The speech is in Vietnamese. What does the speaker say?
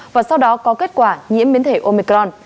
và sau đó có kết quả nhiễm biến thể omecron